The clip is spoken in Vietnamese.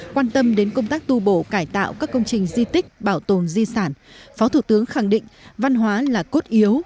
quan tâm đến công tác tu bổ cải tạo các công trình di tích bảo tồn di sản phó thủ tướng khẳng định văn hóa là cốt yếu